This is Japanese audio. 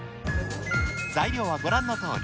材料はご覧のとおり。